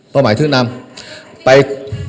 ก้อหมายถึงนำมไป